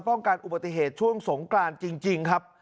กันอุบัติเหตุช่วงสงกรานจริงครับ